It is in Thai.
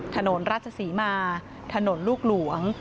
ถนนราชศรีมาถนนลูกหลวง